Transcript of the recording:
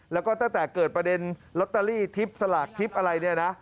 แล้วก็ตั้งแต่เกิดประเด็นลอตเตอรี่ทิพย์สลากทิพย์อะไรเนี่ยนะ